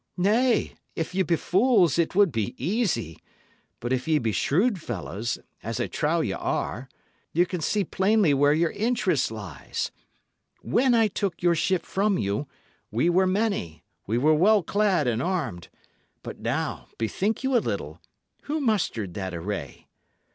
"Nay, if ye be fools, it would be easy. But if ye be shrewd fellows, as I trow ye are, ye can see plainly where your interest lies. When I took your ship from you, we were many, we were well clad and armed; but now, bethink you a little, who mustered that array?